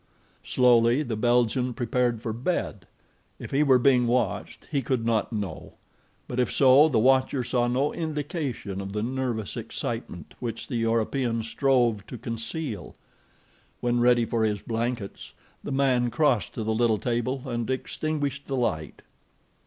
Slowly the Belgian prepared for bed. If he were being watched, he could not know; but if so the watcher saw no indication of the nervous excitement which the European strove to conceal. When ready for his blankets, the man crossed to the little table and extinguished the light.